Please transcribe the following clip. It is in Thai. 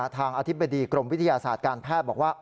อธิบดีกรมวิทยาศาสตร์การแพทย์บอกว่า